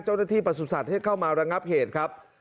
เจ้าหน้าที่ประสุนศัตริย์ที่เข้ามารางลับเหตุครับ